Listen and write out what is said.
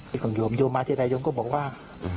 พระจานยมมาทิรัยยมก็บอกว่า